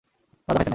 গাঁজা খাইছেন নাকি!